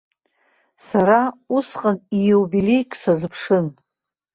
Сара усҟан иубилеик сазыԥшын.